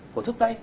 của thúc tây